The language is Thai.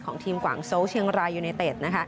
ของทีมกวางโซเชียงรายยูเนเตต